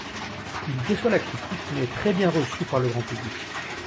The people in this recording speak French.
Il déçoit la critique, mais est très bien reçu par le grand public.